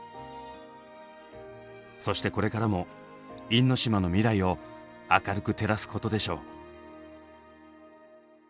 そしてこれからも因島の未来を明るく照らすことでしょう。